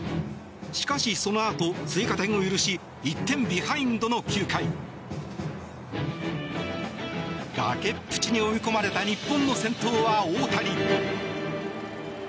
しかしそのあと、追加点を許し１点ビハインドの９回崖っぷちに追い込まれた日本の先頭は大谷。